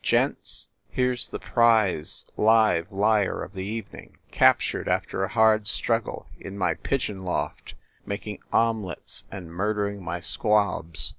"Gents, here s the prize live liar of the evening, captured, after a hard struggle, in my pigeon loft, making omelets and murdering my squabs.